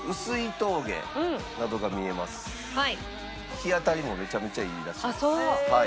日当たりもめちゃめちゃいいらしいです。